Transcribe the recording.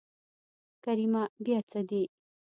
کريمه بيا څه دي.